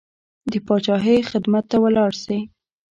د پاچاهۍ خدمت ته ولاړ شي.